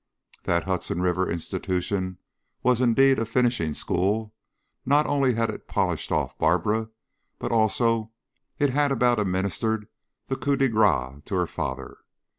That Hudson River institution was indeed a finishing school; not only had it polished off Barbara, but also it had about administered the coup de grace to her father.